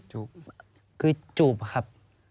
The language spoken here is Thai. จูบคือจูบอะครับ